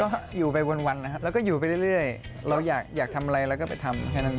ก็อยู่ไปวันนะครับแล้วก็อยู่ไปเรื่อยเราอยากทำอะไรเราก็ไปทำแค่นั้น